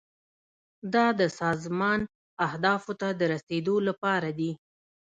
دا د سازمان اهدافو ته د رسیدو لپاره دي.